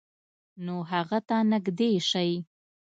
نو هغه ته نږدې شئ،